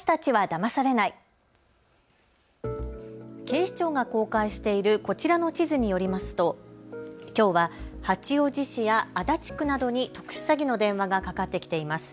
警視庁が公開しているこちらの地図によりますときょうは八王子市や足立区などに特殊詐欺の電話がかかってきています。